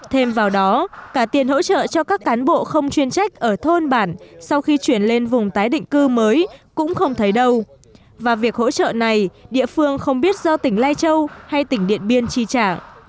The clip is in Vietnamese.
thêm vào đó cả tiền hỗ trợ cho các cán bộ không chuyên trách ở thôn bản sau khi chuyển lên vùng tái định cư mới cũng không thấy đâu và việc hỗ trợ này địa phương không biết do tỉnh lai châu hay tỉnh điện biên chi trả